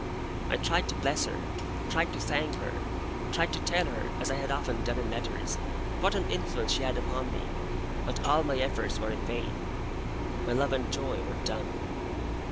I tried to bless her, tried to thank her, tried to tell her (as I had often done in letters) what an influence she had upon me; but all my efforts were in vain. My love and joy were dumb.